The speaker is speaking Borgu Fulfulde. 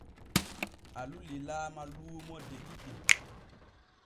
Alu lilaama luumo de ɗiɗi.